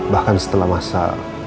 bahkan setelah masa